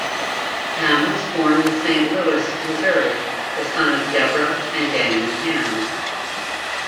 Hamm was born in Saint Louis, Missouri, the son of Deborah and Daniel Hamm.